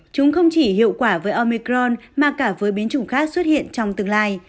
chúng không chỉ hiệu quả với omicron mà cả với biến chủng khác xuất hiện trong tương lai